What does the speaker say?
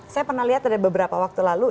saya pernah lihat ada beberapa waktu lalu